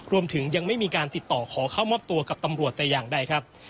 รวมถึงยังไม่มีการติดต่อขอเข้ามอบตัวกับตำรวจแต่อย่างใดครับ